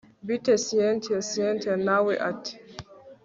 bite cyntia cyntia nawe ati